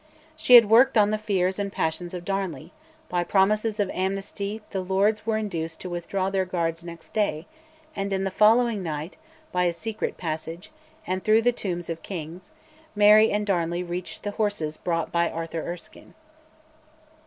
She had worked on the fears and passions of Darnley; by promises of amnesty the Lords were induced to withdraw their guards next day, and in the following night, by a secret passage, and through the tombs of kings, Mary and Darnley reached the horses brought by Arthur Erskine.